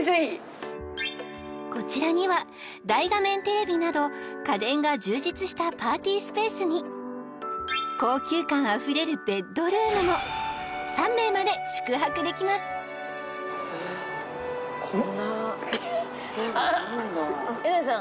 こちらには大画面テレビなど家電が充実したパーティースペースに高級感あふれるベッドルームも３名まで宿泊できます江上さん